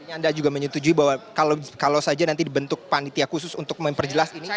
anda juga menyetujui bahwa kalau saja nanti dibentuk panitia khusus untuk memperjelas ini